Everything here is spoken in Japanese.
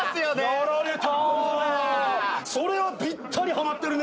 それはぴったりはまってるね。